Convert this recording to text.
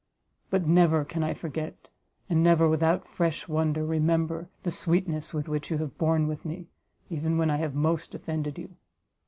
but never can I forget, and never without fresh wonder remember, the sweetness with which you have borne with me, even when most I offended you.